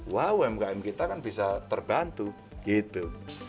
wah umkm kita kan bisa terbantu gitu